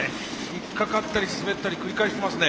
引っ掛かったり滑ったり繰り返してますね。